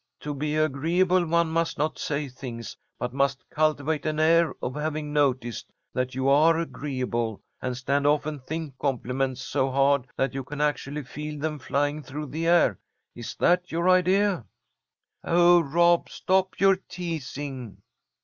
To be agreeable one must not say things, but must cultivate an air of having noticed that you are agreeable, and stand off and think compliments so hard that you can actually feel them flying through the air. Is that your idea?" "Oh, Rob! Stop your teasing."